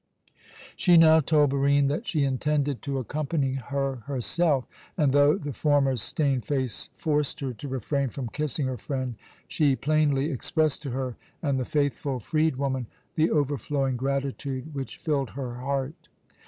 She now told Barine that she intended to accompany her herself; and though the former's stained face forced her to refrain from kissing her friend, she plainly expressed to her and the faithful freedwoman the overflowing gratitude which filled her heart.